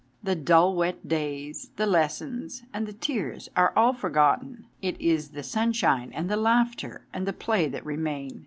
The dull wet days, the lessons and the tears are all for gotten ; it is the sunshine and the laughter and the play that remain.